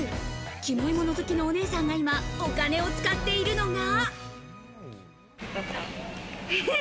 キモい物好きのお姉さんが今、お金を使っているのが。